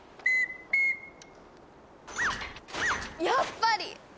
やっぱり！